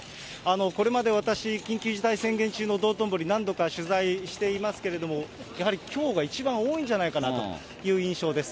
これまで私、緊急事態宣言中の道頓堀、何度か取材していますけれども、やはりきょうが一番多いんじゃないかなという印象です。